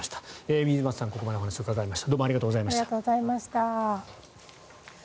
水町さん、ここまでお話をお伺いしました。